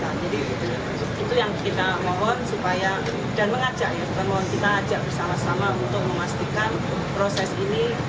jadi itu yang kita mohon dan mengajak bersama sama untuk memastikan proses ini